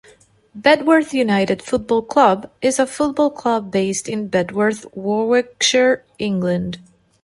Bedworth United Football Club is a football club based in Bedworth, Warwickshire, England.